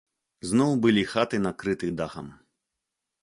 Зноў былі хаты накрыты дахам.